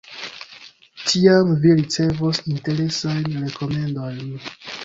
Tiam vi ricevos interesajn rekomendojn….